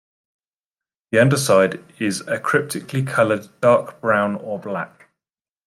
The underside is a cryptically coloured dark brown or black.